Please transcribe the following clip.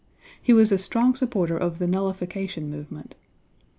He was a strong supporter of the Nullification movement.